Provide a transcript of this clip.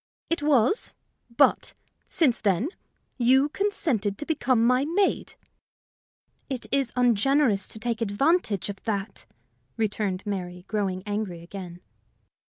"It was; but, since then, you consented to become my maid." "It is ungenerous to take advantage of that," returned Mary, growing angry again.